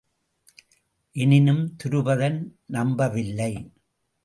எனினும் துருபதன் நம்ப வில்லை.